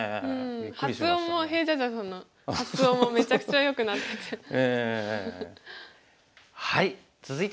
発音もＨｅｉＪｉａｊｉａさんの発音もめちゃくちゃよくなってて。